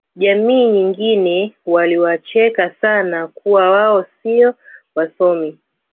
jamii nyingine waliwacheka sana kuwa wao sio wasomi